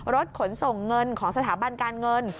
รถขนส่งเงินของสถาบันการเงิน